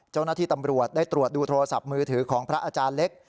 เจ้าหน้าที่ตำรวจได้ตรวจดูโทรศัพท์มือถือของพระอาจารย์เล็ก